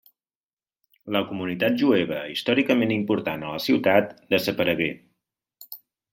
La comunitat jueva, històricament important a la ciutat, desaparegué.